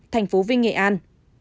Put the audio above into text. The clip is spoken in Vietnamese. năm thành phố vinh nghệ an